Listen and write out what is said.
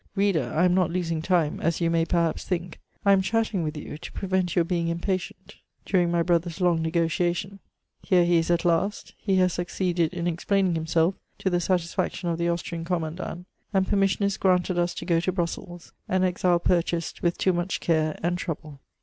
— Reader, I am not losing time, as you may perhaps think ; I am chatting witii you to prevent your being id impatient daring CHATEAUBBIAND. 3d5 my farodier's long n^otiation: here he is at last; he has succeeded in explaining himself to the satisfiBCtion of the Austrian commandant, and permission is granted us to go to Bmssela — ^an exile purchased with too much care and trouble.